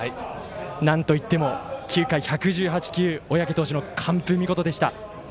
なんといっても９回１１８球、小宅投手の完封見事でした。